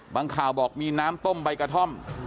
ข่าวบอกมีน้ำต้มใบกระท่อม